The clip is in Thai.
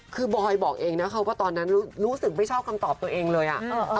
คือบอยบอกเองนะคะว่าตอนนั้นรู้สึกไม่ชอบคำตอบตัวเองเลย